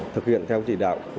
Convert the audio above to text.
thực hiện theo trị đạo của dân phố